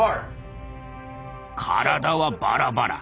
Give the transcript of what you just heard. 体はバラバラ。